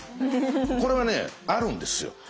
これはねあるんですよ。